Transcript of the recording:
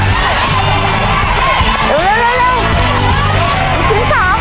เร็วเร็วเร็วสิ้นสาม